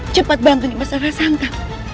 cepat bantuin mas arasanta